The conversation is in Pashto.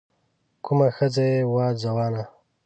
کومه ښځه يې وه ځوانه